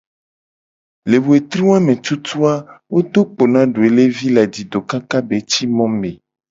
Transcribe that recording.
Le wetri wa me tutu a, wo do kpo doelevi le ajido kaka be ci mo me .